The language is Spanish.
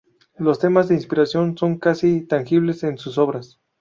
Los temas de inspiración son casi tangibles en sus obras.